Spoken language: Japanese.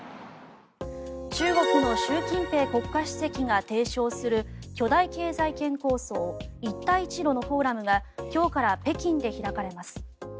中国の習近平国家主席が提唱する巨大経済圏構想、一帯一路のフォーラムが今日から北京で開かれます。